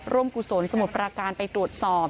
กุศลสมุทรปราการไปตรวจสอบ